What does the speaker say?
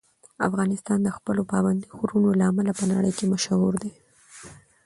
افغانستان د خپلو پابندي غرونو له امله په نړۍ کې مشهور دی.